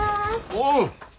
おう。